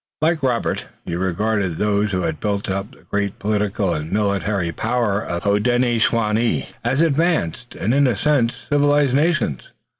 Like Robert, he regarded those who had built up the great political and military power of the Hodenosaunee as advanced, and, in a sense, civilized nations.